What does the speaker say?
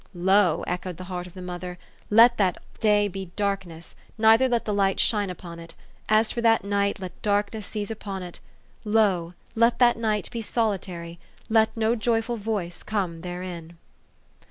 " Lo !" echoed the heart of the mother, " let that day be darkness ; neither let the light shine upon it. As for that night, let darkness seize upon it. Lo ! let that night be solitary; let no joyful voice come therein."